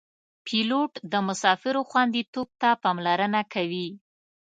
پیلوټ د مسافرو خوندیتوب ته پاملرنه کوي.